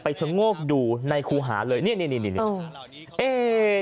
ไปชงกดูในครูหาเลยเนี่ยเนี่ยเนี่ยเนี่ยเนี่ยเนี่ยเนี่ยเนี่ยเนี่ย